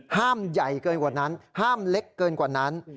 ใหญ่เกินกว่านั้นห้ามเล็กเกินกว่านั้น